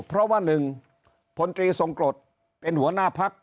เพราะว่า๑พลตรีทรงกรดเป็นหัวหน้าพัก